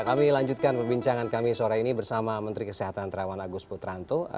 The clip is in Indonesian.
kami lanjutkan perbincangan kami sore ini bersama menteri kesehatan terawan agus putranto